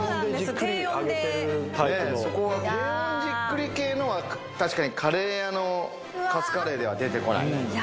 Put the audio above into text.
低温じっくり系のは確かにカレー屋のカツカレーでは出てこないいや